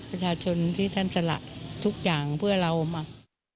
ประชาชนที่ท่านสละทุกอย่างเพื่อเรามา